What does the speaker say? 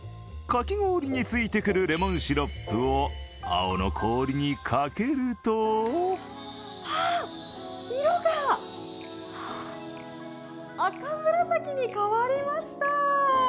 かき氷についてくるレモンシロップを青の氷にかけるとあっ、色が赤紫に変わりました。